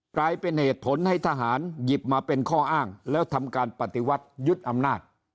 กลายเป็นเหตุผลให้ทหารหยิบมาเป็นข้ออ้างแล้วทำการปฏิวัติยึดอำนาจ